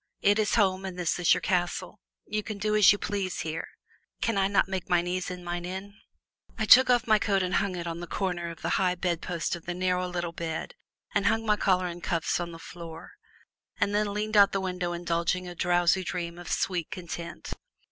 It is home and this is your castle. You can do as you please here; can I not take mine ease in mine inn? I took off my coat and hung it on the corner of the high bedpost of the narrow, little bed and hung my collar and cuffs on the floor; and then leaned out of the window indulging in a drowsy dream of sweet content.